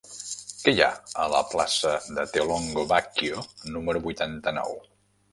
Què hi ha a la plaça de Theolongo Bacchio número vuitanta-nou?